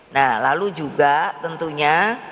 nah lalu juga tentunya